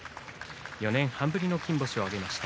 ４年半ぶりの金星を挙げました。